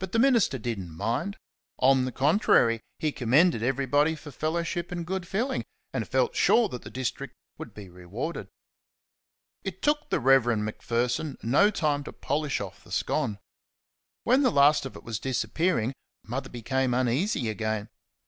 But the minister did n't mind. On the contrary, he commended everybody for fellowship and good feeling, and felt sure that the district would be rewarded. It took the Rev. Macpherson no time to polish off the scone. When the last of it was disappearing Mother became uneasy again.